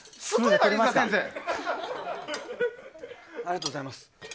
ありがとうございます。